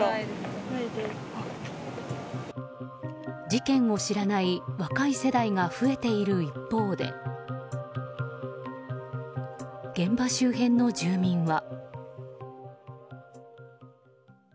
事件を知らない若い世代が増えている一方で現場周辺の住民は。